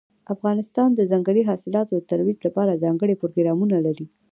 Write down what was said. افغانستان د ځنګلي حاصلاتو د ترویج لپاره ځانګړي پروګرامونه لري.